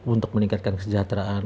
untuk meningkatkan kesejahteraan